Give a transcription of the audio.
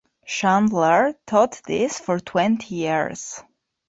Chandler taught there for twenty years.